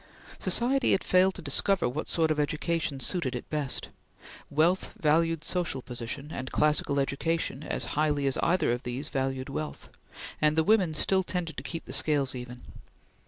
Society had failed to discover what sort of education suited it best. Wealth valued social position and classical education as highly as either of these valued wealth, and the women still tended to keep the scales even.